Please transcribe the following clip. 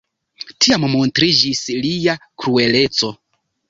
Tiam montriĝis lia krueleco.